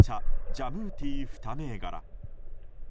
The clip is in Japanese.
ジャムーティー２銘柄。